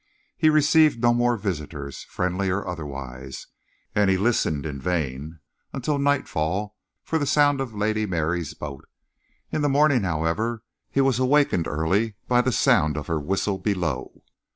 He received no more visitors, friendly or otherwise, and he listened in vain until nightfall for the sound of Lady Mary's boat. In the morning, however, he was awakened early by the sound of her whistle below.